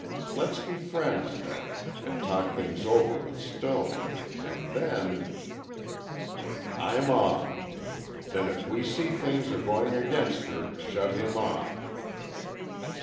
Let's be friends, then, and talk things over with Stone, and then—" "I'm on! Then if we see things are going against her, shut him off!"